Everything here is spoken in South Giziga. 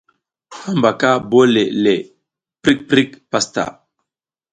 Hambaka bole le, prik prik pastaʼa.